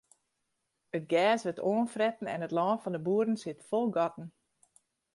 It gers wurdt oanfretten en it lân fan de boeren sit fol gatten.